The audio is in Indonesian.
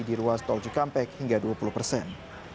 di ruas tol cikampek hingga dua puluh persen